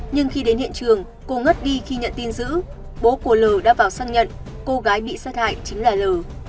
nhưng khi đến hiện trường cô ngất đi khi nhận tin giữ bố của l đã vào xác nhận cô gái bị sát hại chính là l